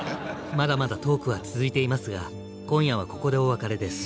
まだまだトークは続いていますが今夜はここでお別れです。